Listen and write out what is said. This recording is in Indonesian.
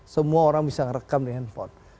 semua orang bisa merekam dengan handphone